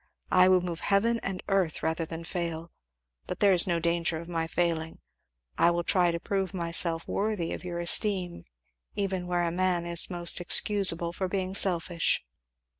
I will move heaven and earth rather than fail but there is no danger of my failing. I will try to prove myself worthy of your esteem even where a man is most excusable for being selfish."